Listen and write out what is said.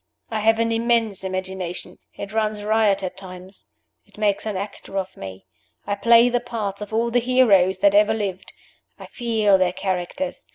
I have an immense imagination. It runs riot at times. It makes an actor of me. I play the parts of all the heroes that ever lived. I feel their characters.